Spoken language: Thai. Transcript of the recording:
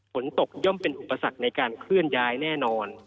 ฝนตกย่อมเป็นอุปสรรคในการเคลื่อนย้ายแน่นอน